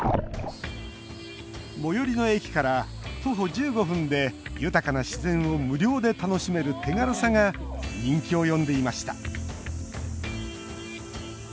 最寄りの駅から徒歩１５分で豊かな自然を無料で楽しめる手軽さが人気を呼んでいました。